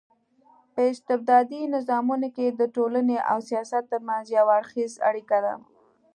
په استبدادي نظامونو کي د ټولني او سياست ترمنځ يو اړخېزه اړيکه ده